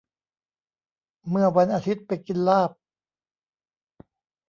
เมื่อวันอาทิตย์ไปกินลาบ